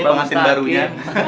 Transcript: pak mastin barunya